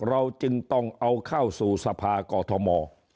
เราจึงต้องเอาเข้าสู่สภากอทม